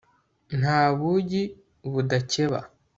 nta bugi budakeba